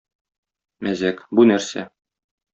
Мәзәк: бу нәрсә?